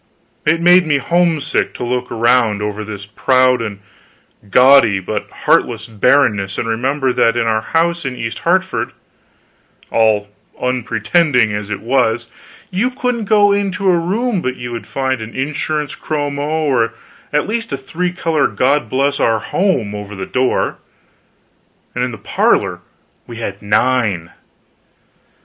It made me homesick to look around over this proud and gaudy but heartless barrenness and remember that in our house in East Hartford, all unpretending as it was, you couldn't go into a room but you would find an insurance chromo, or at least a three color God Bless Our Home over the door; and in the parlor we had nine.